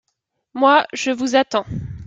Moi, je vous attends.